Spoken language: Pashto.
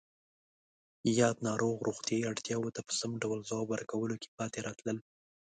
یاد ناروغ روغتیایی اړتیاوو ته په سم ډول ځواب ورکولو کې پاتې راتلل